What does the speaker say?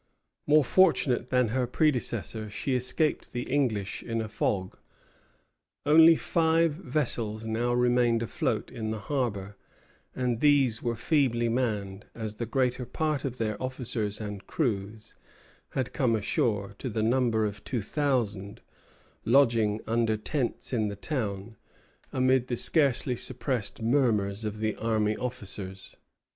More fortunate than her predecessor, she escaped the English in a fog. Only five vessels now remained afloat in the harbor, and these were feebly manned, as the greater part of their officers and crews had come ashore, to the number of two thousand, lodging under tents in the town, amid the scarcely suppressed murmurs of the army officers.